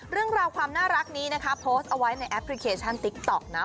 เรื่องราวความน่ารักนี้นะคะโพสต์เอาไว้ในแอปพลิเคชันติ๊กต๊อกนะ